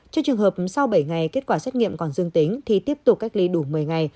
trước trường hợp sau bảy ngày kết quả xét nghiệm còn dương tính thì tiếp tục cách ly đủ một mươi ngày